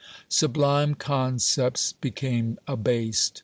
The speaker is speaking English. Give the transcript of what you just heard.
Sublime concepts became abased.